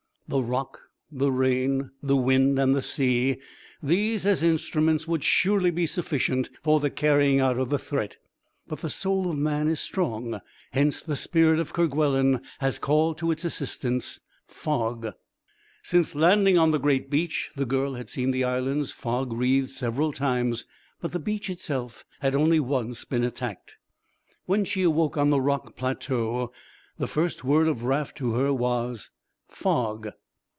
The rock, the rain, the wind and the sea, these, as instruments, would surely be sufficient for the carrying out of the threat; but the soul of man is strong, hence the spirit of Kerguelen has called to its assistance Fog. Since landing on the great beach the girl had seen the islands fog wreathed several times but the beach itself had only once been attacked. When she awoke on the rock plateau the first word of Raft to her was "fog."